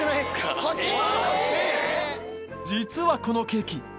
実はこのケーキ